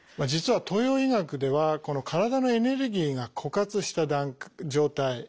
実は東洋医学では体のエネルギーが枯渇した状態